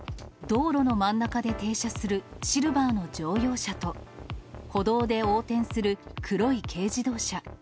道路の真ん中で停車するシルバーの乗用車と歩道で横転する黒い軽自動車。